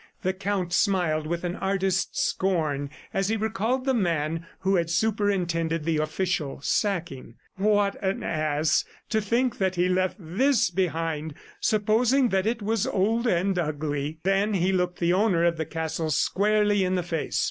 The Count smiled with an artist's scorn as he recalled the man who had superintended the official sacking. "What an ass! ... To think that he left this behind, supposing that it was old and ugly!" Then he looked the owner of the castle squarely in the face.